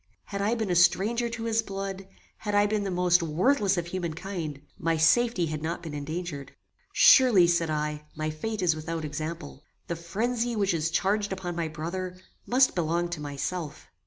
Had I been a stranger to his blood; had I been the most worthless of human kind; my safety had not been endangered. Surely, said I, my fate is without example. The phrenzy which is charged upon my brother, must belong to myself.